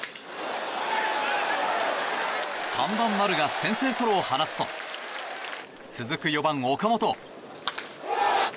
３番、丸が先制ソロを放つと続く４番、岡本。